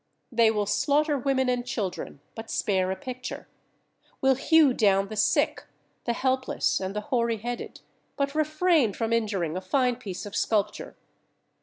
They will slaughter women and children, but spare a picture; will hew down the sick, the helpless, and the hoary headed, but refrain from injuring a fine piece of sculpture.